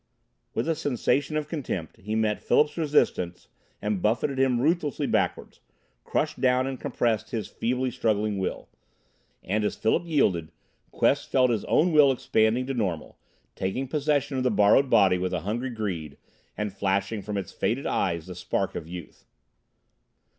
With a sensation of contempt he met Philip's resistance and buffeted him ruthlessly backward, crushed down and compressed his feebly struggling will. And as Philip yielded, Quest felt his own will expanding to normal, taking possession of the borrowed body with hungry greed, and flashing from its faded eyes the spark of youth.